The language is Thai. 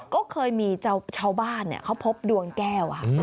ก็เคยมีชาวบ้านเขาพบดวงแก้วค่ะ